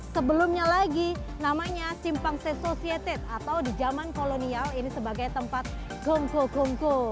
sebelumnya lagi namanya simpang sesosieted atau di jaman kolonial ini sebagai tempat gungku gungku